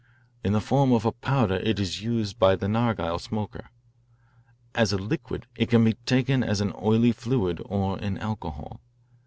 In the form of a powder it is used by the narghile smoker. As a liquid it can be taken as an oily fluid or in alcohol.